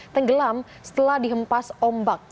tenggelam setelah dihempas ombak